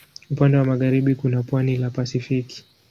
Upande wa magharibi kuna pwani la Pasifiki.